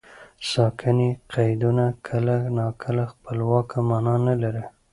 ساکني قیدونه کله ناکله خپلواکه مانا نه لري.